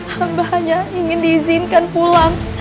hamba hanya ingin diizinkan pulang